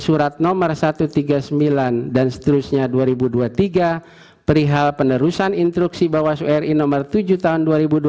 surat nomor satu ratus tiga puluh sembilan dan seterusnya dua ribu dua puluh tiga perihal penerusan instruksi bawas uri nomor tujuh tahun